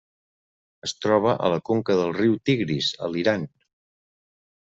Es troba a la conca del riu Tigris a l'Iran.